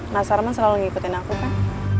mas arman selalu ngikutin aku kan